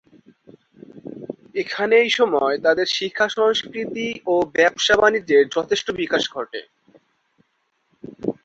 এখানে এইসময় তাদের শিক্ষা সংস্কৃতি ও ব্যবসা বাণিজ্যের যথেষ্ট বিকাশ ঘটে।